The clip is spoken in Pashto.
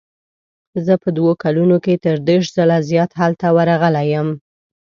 زه په دوو کلونو کې تر دېرش ځله زیات هلته ورغلی یم.